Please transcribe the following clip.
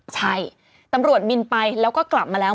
ใช่ตำรวจบินไปแล้วก็กลับมาแล้ว